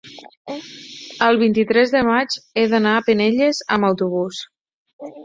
el vint-i-tres de maig he d'anar a Penelles amb autobús.